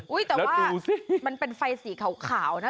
แต่ว่ามันเป็นไฟสีขาวนะ